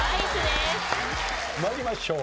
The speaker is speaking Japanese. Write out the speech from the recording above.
参りましょう。